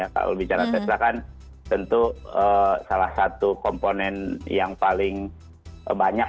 kalau bicara tesla kan tentu salah satu komponen yang paling banyak